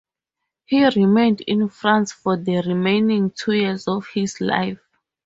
He remained in France for the remaining two years of his life.